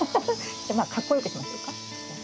じゃまあかっこよくしましょうか。